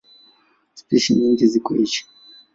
Spishi nyingi ziko Asia.